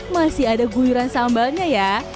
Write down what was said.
masih ada guyuran sambalnya ya